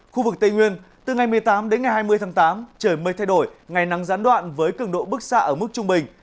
khu vực tây nguyên từ ngày một mươi tám đến ngày hai mươi tháng tám trời mây thay đổi ngày nắng gián đoạn với cường độ bức xạ ở mức trung bình